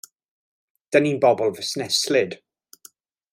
'Da ni'n bobl fusneslyd!